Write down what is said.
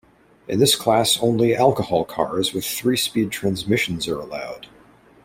In this class only alcohol cars with three-speed transmissions are allowed.